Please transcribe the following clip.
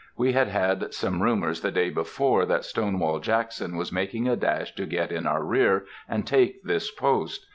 We had had some rumors the day before that Stonewall Jackson was making a dash to get in our rear, and take this post.